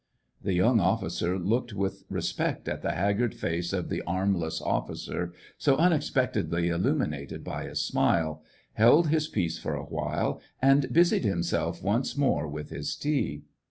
The young officer looked with respect at the haggard face of the armless officer, so unexpect edly illuminated by a smile, held his peace for a while, and busied himself once more with his tea.